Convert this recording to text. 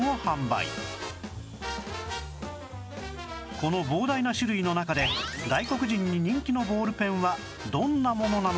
この膨大な種類の中で外国人に人気のボールペンはどんなものなのか？